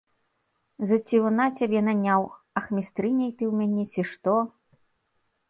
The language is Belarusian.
За цівуна цябе наняў, ахмістрыняй ты ў мяне, ці што?